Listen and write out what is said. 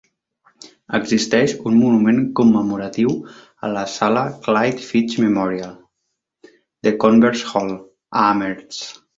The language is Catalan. Existeix un monument commemoratiu a la sala "Clyde Fitch Memorial" de Converse Hall, a Amherst.